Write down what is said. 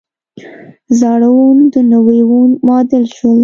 زاړه وون د نوي وون معادل شول.